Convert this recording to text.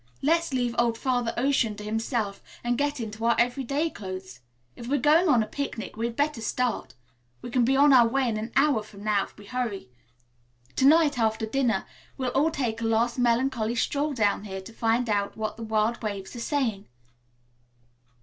Let's leave old Father Ocean to himself and get into our everyday clothes. If we are going on a picnic, we'd better start. We can be on our way in an hour from now, if we hurry. To night after dinner we'll all take a last melancholy stroll down here to find out what the wild waves are saying."